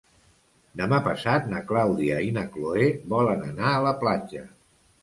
Demà passat na Clàudia i na Cloè volen anar a la platja.